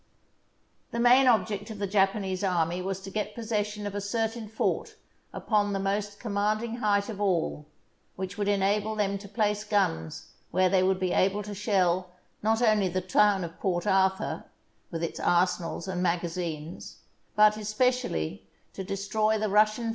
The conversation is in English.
The main object of the Japanese army was to get possession of a certain fort upon the most com manding height of all, which would enable them to place guns where they would be able to shell not only the town of Port Arthur, with its arsenals and magazines, but, especially, to destroy the Rus sian fleet where it lay imprisoned in the harbour.